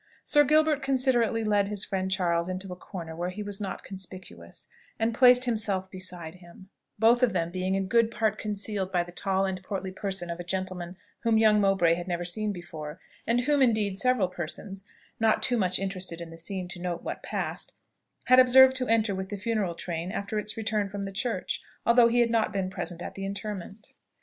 Sir Gilbert considerately led his friend Charles into a corner where he was not conspicuous, and placed himself beside him; both of them being in good part concealed by the tall and portly person of a gentleman whom young Mowbray had never seen before, and whom indeed several persons, not too much interested in the scene to note what passed, had observed to enter with the funeral train after its return from the church, although he had not been present at the interment.